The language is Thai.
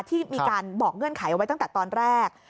ที่มีการบอกเงื่อนไขเอาไว้ตั้งแต่ตอนแรก